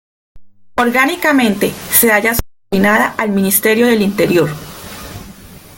Orgánicamente, se halla subordinada al Ministerio del Interior.